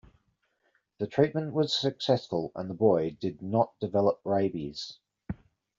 The treatment was successful and the boy did not develop rabies.